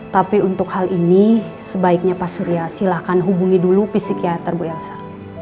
tapi untuk hal ini sebaiknya pak surya silahkan hubungi dulu fisikater bu elsa